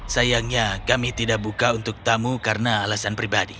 sayangnya kami tidak buka untuk tamu karena alasan pribadi